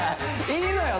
いいのよ